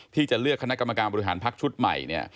ที่จะเลือกคณะกรรมการบริหารพักชุดใหม่